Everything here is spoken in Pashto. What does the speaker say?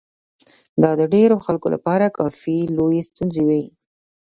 دا د ډېرو خلکو لپاره کافي لويې ستونزې وې.